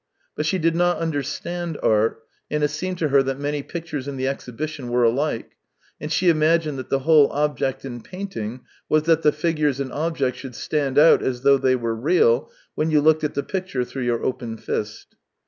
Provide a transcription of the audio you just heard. But she did not understand art, and it seemed to her that many pictures in the ex hibition were alike, and she imagined that the w hole object in painting was that the figures and objects should stand out as though they were real, when you looked at the picture through your open fist.